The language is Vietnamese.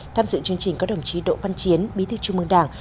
tham dự chương trình có đồng chí đỗ văn chiến bí thư trung mương đảng